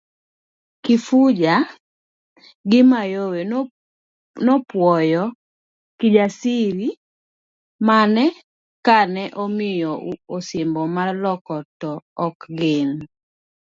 Kifuja gi Mayowe nopwoyo Kijsiri kane omiyo osimbo mar loko to ok gin'.